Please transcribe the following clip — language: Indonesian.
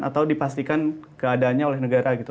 atau dipastikan keadanya oleh negara gitu